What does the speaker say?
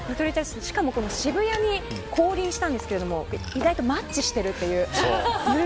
渋谷に降臨したんですけど意外とマッチしているという。